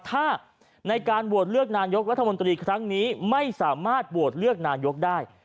ถ้าในการโหวตเลือกนายกรัฐมนตรีครั้งนี้ไม่สามารถโหวตเลือกนายกได้